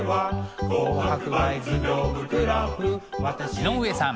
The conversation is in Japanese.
井上さん